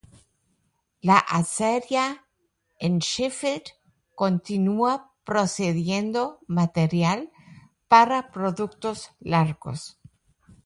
La acería en Sheffield continúa produciendo material para productos largos.